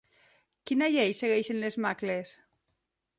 Quina llei segueixen les macles?